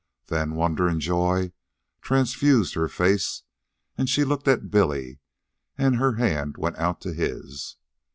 Then wonder and joy transfused her face, and she looked at Billy, and her hand went out to his.